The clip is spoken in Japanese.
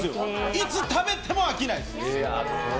いつ食べても飽きないです。